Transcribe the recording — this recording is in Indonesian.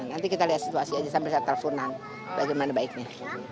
saya mau lihat situasi aja sampai saya teleponan bagaimana baiknya